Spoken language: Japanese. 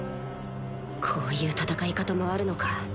こういう戦い方もあるのか